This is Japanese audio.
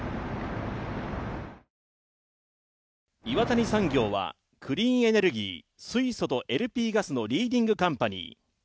岩谷産業はクリーンエネルギー、水素とＬＰガスのリーディングカンパニー。